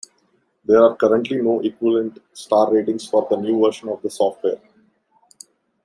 There are currently no equivalent star ratings for the new version of the software.